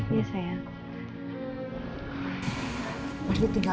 kok kayaknya itu pacunya mbak andin yang